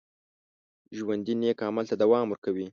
ژوندي نیک عمل ته دوام ورکوي